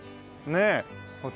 ねえ。